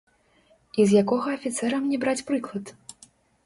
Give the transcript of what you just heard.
І з якога афіцэра мне браць прыклад?